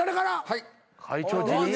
はい。